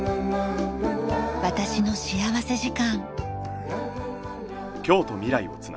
『私の幸福時間』。